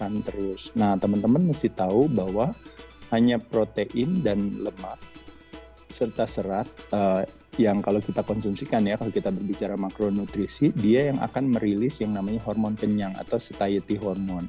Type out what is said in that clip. nah teman teman mesti tahu bahwa hanya protein dan lemak serta serat yang kalau kita konsumsikan ya kalau kita berbicara makronutrisi dia yang akan merilis yang namanya hormon kenyang atau seti hormon